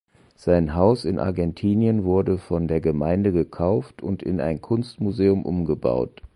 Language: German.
Sein Haus in Argentinien wurde von der Gemeinde gekauft und in ein Kunstmuseum umgebaut.